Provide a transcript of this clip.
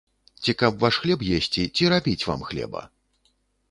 Ці каб ваш хлеб есці, ці рабіць вам хлеба?